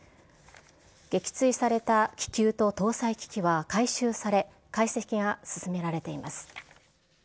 撃墜された気球と搭載機器は回収され、解析が進められています。